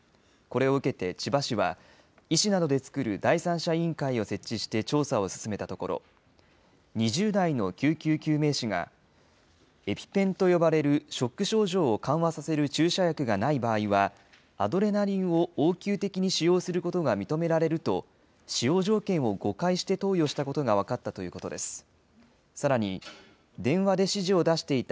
これを受けて千葉市は、医師などで作る第三者委員会を設置して調査を進めたところ、２０代の救急救命士が、エピペンと呼ばれるショック症状を緩和させる注射薬がない場合は、アドレナリンを応急的に使用することが認められると、使用条件を誤解して投与したことが分かったということです。